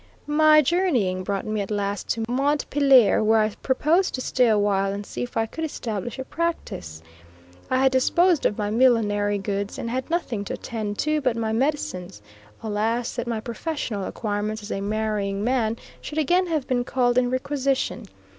My journeying brought me at last to Montpelier where I proposed to stay awhile and see if I could establish a practice. I had disposed of my millinery goods and had nothing to attend to but my medicines alas that my professional acquirements as a marrying man should again have been called in requisition.